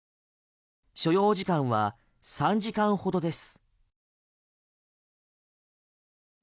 所要時間は３時間ほどです。